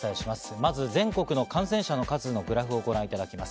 まず全国の感染者のグラフをご覧いただきます。